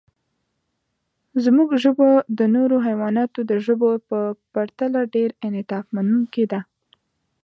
زموږ ژبه د نورو حیواناتو د ژبو په پرتله ډېر انعطافمنونکې ده.